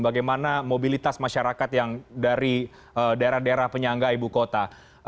bagaimana mobilitas masyarakat yang dari daerah daerah penyangga ibu kota